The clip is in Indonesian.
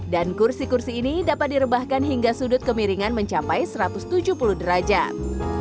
dan kursi kursi ini dapat direbahkan hingga sudut kemiringan mencapai satu ratus tujuh puluh derajat